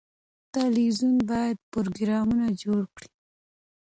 تلویزیون باید پروګرامونه جوړ کړي.